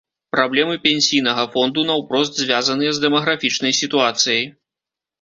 Праблемы пенсійнага фонду наўпрост звязаныя з дэмаграфічнай сітуацыяй.